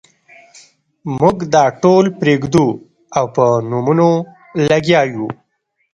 موږ دا ټول پرېږدو او په نومونو لګیا یو.